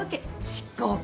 執行官に。